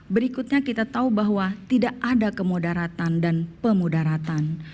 berikutnya kita tahu bahwa tidak ada kemudaratan dan pemudaratan